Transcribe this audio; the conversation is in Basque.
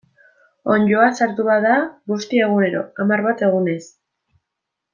Onddoa sartu bada, busti egunero, hamar bat egunez.